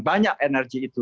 banyak energi itu